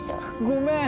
ごめん！